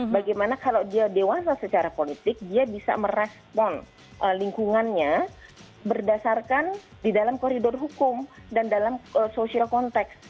bagaimana kalau dia dewasa secara politik dia bisa merespon lingkungannya berdasarkan di dalam koridor hukum dan dalam social context